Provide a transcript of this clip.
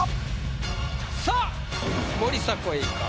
さあ森迫永依か？